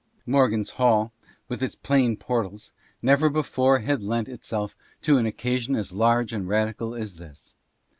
Morgan's Hall, with its plain portals, never before had lent "RECORDERS AGES HENCE." g itself to an occasion as large and radical as this.